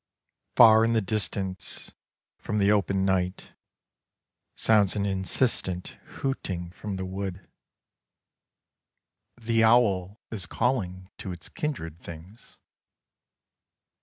Far in the distance, from the open night, Sounds an insistent hooting from the wood ; The owl is calling to its kindred things.